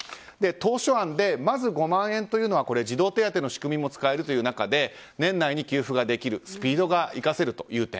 当初案で、まず５万円というのは児童手当の仕組みも使える中で年内に給付ができるスピードが生かせるという点。